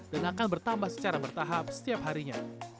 dan akan bertambah secara bertahap setiap harinya